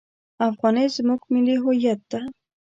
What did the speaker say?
افغانۍ زموږ ملي هویت ده!